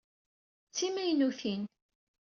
D timaynutin.